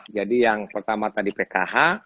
jadi yang pertama tadi pkh